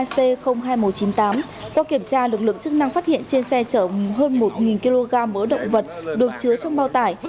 từ năm một nghìn chín trăm chín mươi tám qua kiểm tra lực lượng chức năng phát hiện trên xe chở hơn một kg mỡ động vật được chứa trong bao tải